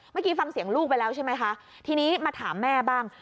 เมื่อกี้ฟังเสียงลูกไปแล้วใช่ไหมคะทีนี้มาถามแม่บ้าง